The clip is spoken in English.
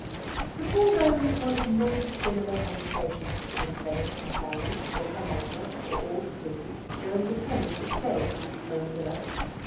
The foregoing is one of many similar conversations between Fenwick and Sally, or her mother, or all three, during the term of his stay at Krakatoa Villa.